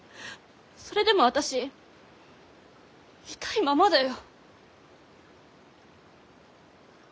それでもあたし痛いままだよ。